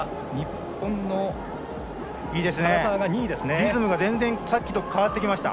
リズムがさっきと変わってきました。